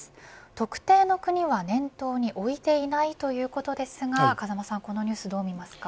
特定の国は念頭に置いていないということですがこのニュースどう見ますか。